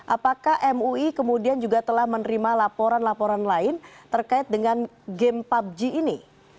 apakah mui kemudian juga telah menerima laporan laporan lain terkait dengan game pubg ini